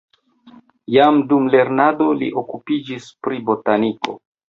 Jam dum lernado li okupiĝis pri botaniko.